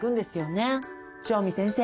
汐見先生